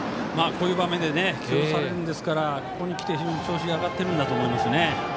こういう場面で起用されるんですからここへきて非常に調子が上がってきているんだと思います。